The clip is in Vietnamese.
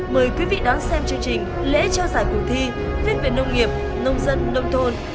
mời quý vị đón xem chương trình lễ trao giải cuộc thi viết về nông nghiệp nông dân nông thôn